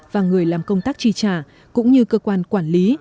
và người làm công tác tri trả cũng như cơ quan quản lý